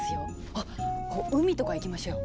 あっこう海とか行きましょうよ。